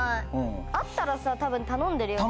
あったらさ多分頼んでるよね